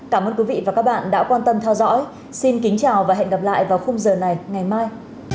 cảm ơn các bạn đã quan tâm theo dõi xin kính chào và hẹn gặp lại vào khung giờ này ngày mai